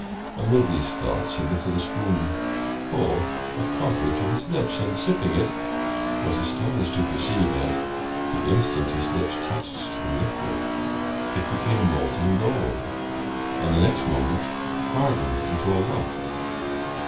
Amid these thoughts, he lifted a spoonful of coffee to his lips, and sipping it, was astonished to perceive that, the instant his lips touched the liquid, it became molten gold, and the next moment, hardened into a lump!